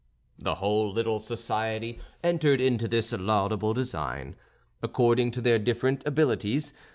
The whole little society entered into this laudable design, according to their different abilities.